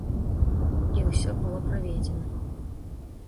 І ўсё было праведзена.